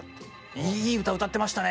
いい歌歌ってましたね」